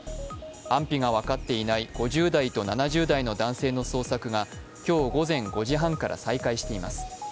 安否が分かっていない５０代と７０代の男性の捜索が今日午前５時半から再開しています